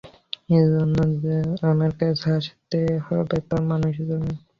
এজন্য যে আমার কাছে আসতে হবে, তা মানুষ জানে।